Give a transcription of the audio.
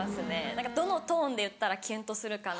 何かどのトーンで言ったらキュンとするかなとか。